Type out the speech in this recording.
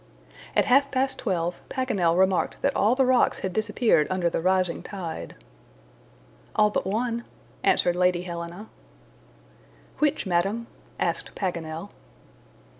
At half past twelve, Paganel remarked that all the rocks had disappeared under the rising tide. "All but one," answered Lady Helena. "Which, Madam?" asked Paganel.